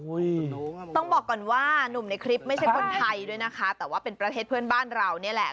ต้องบอกก่อนว่านุ่มในคลิปไม่ใช่คนไทยด้วยนะคะแต่ว่าเป็นประเทศเพื่อนบ้านเรานี่แหละ